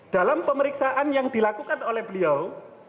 dalam pemeriksaan yang dilakukan oleh beliau